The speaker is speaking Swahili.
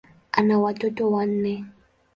Ana watoto wanne.